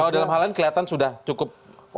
kalau dalam hal lain kelihatan sudah cukup